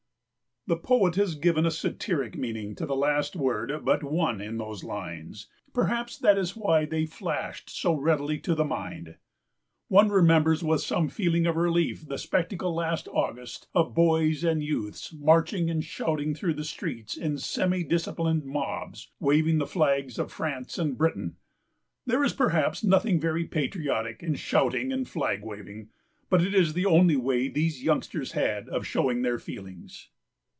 "The poet has given a satiric meaning to the last word but one in those lines; perhaps that is why they flashed so readily to the mind. "One remembers with some feeling of relief the spectacle last August of boys and youths marching and shouting through the streets in semi disciplined mobs, waving the flags of France and Britain. There is perhaps nothing very patriotic in shouting and flag waving, but it is the only way these youngsters had of showing their feelings."